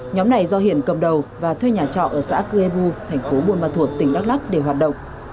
nhóm này do hiển cầm đầu và thuê nhà trọ ở xã cư ê bu thành phố bồn mà thuột tỉnh đắk lắk để hoạt động